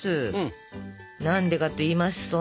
何でかっていいますと。